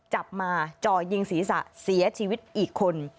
จับมาจ่อยิงศีรษะเสียชีวิตอีกคน